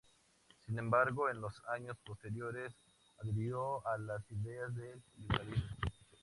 Sin embargo, en los años posteriores adhirió a las ideas del liberalismo.